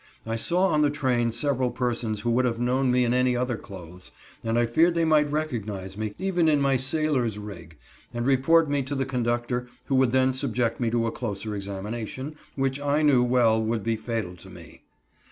I saw on the train several persons who would have known me in any other clothes, and I feared they might recognize me, even in my sailor "rig," and report me to the conductor, who would then subject me to a closer examination, which I knew well would be fatal to me.